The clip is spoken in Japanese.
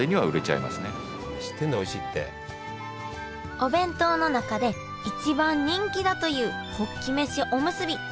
お弁当の中で一番人気だというホッキ飯おむすび。